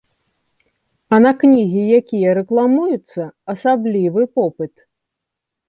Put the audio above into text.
А на кнігі, якія рэкламуюцца, асаблівы попыт.